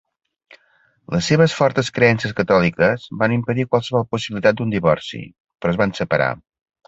Les seves fortes creences catòliques van impedir qualsevol possibilitat d'un divorci, però es van separar.